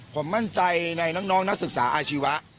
ผมมั่นใจในน้องนักศึกษาอาชีวะ